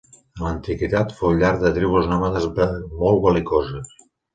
En l'antiguitat, fou llar de tribus nòmades molt bel·licoses.